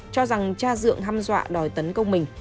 cho rằng cha dượng hâm dọa đòi tấn công mình